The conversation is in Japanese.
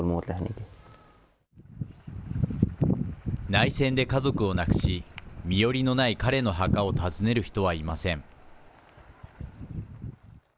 内戦で家族を亡くし、身寄りのない彼の墓を訪ねる人はいません。